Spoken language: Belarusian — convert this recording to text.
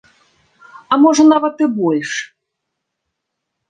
А можа, нават і больш!